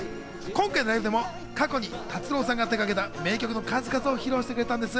今回のライブでも過去に達郎さんが手がけた名曲の数々を披露してくれたんです。